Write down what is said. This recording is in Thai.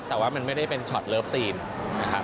แต่ว่ามันไม่ได้เป็นช็อตเลิฟซีนนะครับ